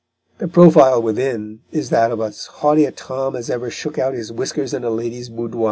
The profile within is that of as haughty a tom as ever shook out his whiskers in a lady's boudoir.